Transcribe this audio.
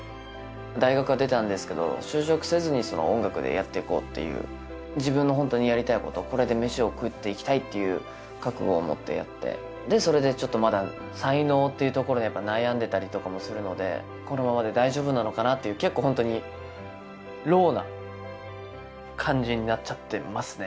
大学は出たんですけど就職せずに音楽でやっていこうっていう自分のホントにやりたいことこれで飯を食っていきたいという覚悟を持ってやってでそれでちょっとまだ才能っていうところでやっぱ悩んでたりとかもするのでこのままで大丈夫なのかなという結構ホントにＬｏｗな感じになっちゃってますね